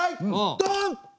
ドン！